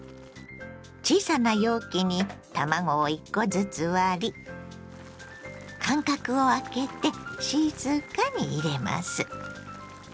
小さな容器に卵を１コずつ割り間隔をあけて静かに入れます。